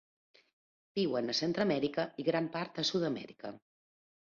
Viuen a Centreamèrica i gran part de Sud-amèrica.